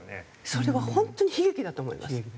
それは本当に悲劇だと思います。